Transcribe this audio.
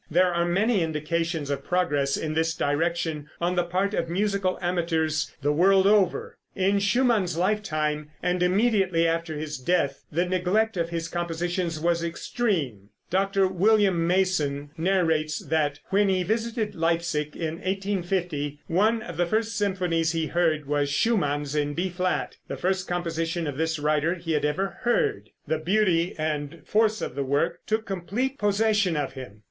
There are many indications of progress in this direction on the part of musical amateurs the world over. In Schumann's lifetime, and immediately after his death, the neglect of his compositions was extreme. Dr. Wm. Mason narrates that when he visited Leipsic in 1850, one of the first symphonies he heard was Schumann's in B flat, the first composition of this writer he had ever heard. The beauty and force of the work took complete possession of him.